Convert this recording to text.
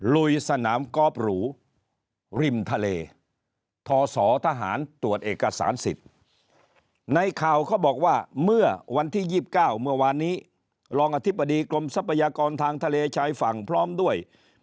ลุยสนามกอล์ฟหรูริมทะเลทศทหารตรวจเอกสารสิทธิ์ในข่าวเขาบอกว่าเมื่อวันที่๒๙เมื่อวานนี้รองอธิบดีกรมทรัพยากรทางทะเลชายฝั่งพร้อมด้วย